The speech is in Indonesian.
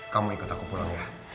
kamu ikut aku pulang ya